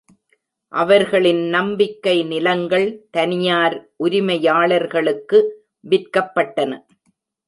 அவர்களின் நம்பிக்கை நிலங்கள் தனியார் உரிமையாளர்களுக்கு விற்கப்பட்டன.